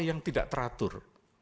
yang tidak teratur